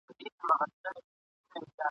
چي روا د شنو بنګړیو موسیقي ده